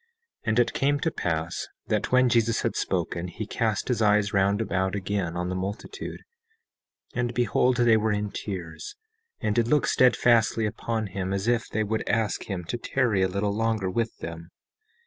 17:5 And it came to pass that when Jesus had thus spoken, he cast his eyes round about again on the multitude, and beheld they were in tears, and did look steadfastly upon him as if they would ask him to tarry a little longer with them.